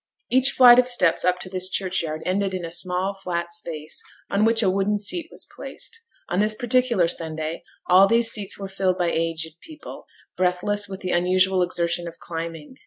Each flight of steps up to this churchyard ended in a small flat space, on which a wooden seat was placed. On this particular Sunday, all these seats were filled by aged people, breathless with the unusual exertion of climbing.